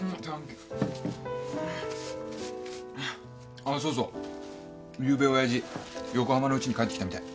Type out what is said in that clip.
あぁそうそうゆうべ親父横浜のウチに帰ってきたみたい。